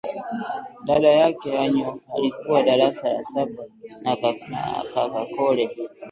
dada yake Anyoo alikuwa darasa la saba na kaka Kole